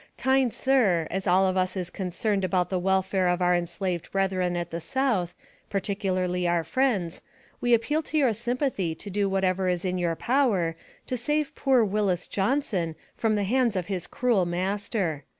Kind Sir, as all of us is concerned about the welfare of our enslaved brethren at the South, particularly our friends, we appeal to your sympathy to do whatever is in your power to save poor Willis Johnson from the hands of his cruel master.